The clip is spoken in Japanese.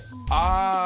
ああ！